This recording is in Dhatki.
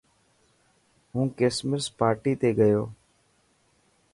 هون ڪرسمس پارٽي تي گيو.